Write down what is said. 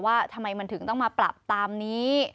ว่าทำไมมันถึงต้องมาปรับตามนี้